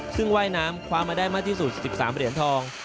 ซึ่งว่ายน้ำคว้ามาได้มากที่สุด๑๓เหรียญทอง